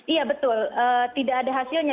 iya betul tidak ada hasilnya